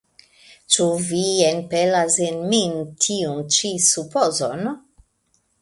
ĉu vi enpelas en min tiun ĉi supozon?